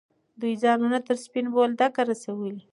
دوی ځانونه تر سپین بولدکه رسولي.